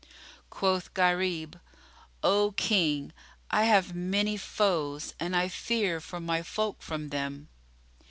Quoth Gharib, "O King, I have many foes and I fear for my folk from them."